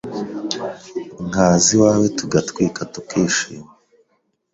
nkaza iwawe tugatwika tukishima